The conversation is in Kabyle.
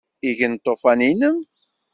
Igen Lṭufan-inem?